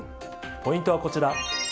ポイントはこちら。